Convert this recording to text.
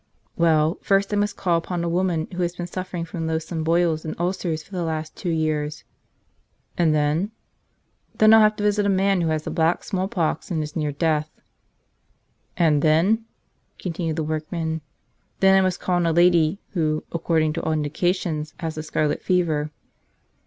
"Well, first I must call upon a woman who has been suffering from loathsome boils and ulcers for the last two years." "And then?" "Then I'll have to visit a man who has the black smallpox and is near death." "And then?" continued the workman. "Then I must call on a lady who, according to all indications, has the scarlet fever."